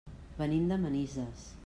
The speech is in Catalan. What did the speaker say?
Venim de Manises.